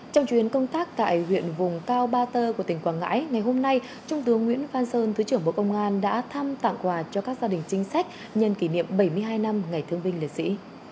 trong chuyến công tác tại huyện vùng cao ba tơ của tỉnh quảng ngãi ngày hôm nay trung tướng nguyễn phan sơn thứ trưởng bộ công an đã thăm tặng quà cho các gia đình chính sách nhân kỷ niệm bảy mươi hai năm ngày thương binh liệt sĩ